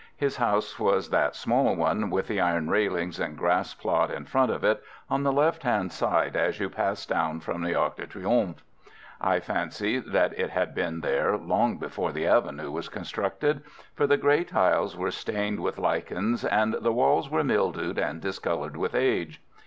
His house was that small one, with the iron railings and grass plot in front of it, on the left hand side as you pass down from the Arc de Triomphe. I fancy that it had been there long before the avenue was constructed, for the grey tiles were stained with lichens, and the walls were mildewed and discoloured with age.